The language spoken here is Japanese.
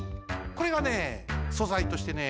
これがねそざいとしてね